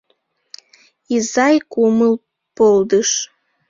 Изай кумыл — полдыш